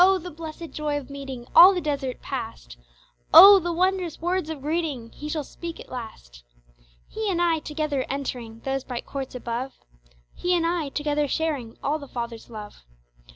the blessed joy of meeting, All the desert past! Oh! the wondrous words of greeting He shall speak at last! He and I together entering Those bright courts above, He and I together sharing All the Fathers love.